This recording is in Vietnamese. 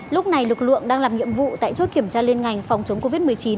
lúc này lực lượng đang làm nhiệm vụ tại chốt kiểm tra liên ngành phòng chống covid một mươi chín